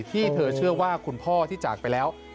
ที่เธอเชื่อว่าคุณพ่อที่จากไปแล้ว